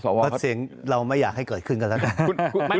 เพราะเสียงเราไม่อยากให้เกิดขึ้นกันแล้วกัน